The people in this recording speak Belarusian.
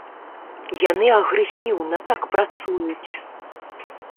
Яны агрэсіўна так працуюць.